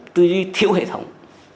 tư duy thiếu hệ thống